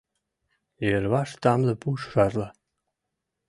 Йырваш тамле пуш шарла.